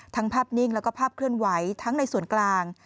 ภาพนิ่งแล้วก็ภาพเคลื่อนไหวทั้งในส่วนกลาง